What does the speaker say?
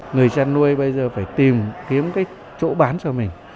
người chăn nuôi bây giờ phải tìm kiếm cái chỗ bán cho mình